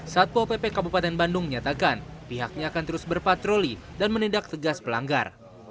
satpo pp kabupaten bandung menyatakan pihaknya akan terus berpatroli dan menindak tegas pelanggar